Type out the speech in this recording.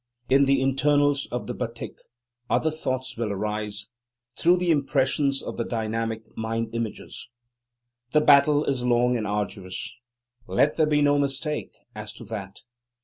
In the internals of the batik, other thoughts will arise, through the impressions of the dynamic mind images. The battle is long and arduous. Let there be no mistake as to that.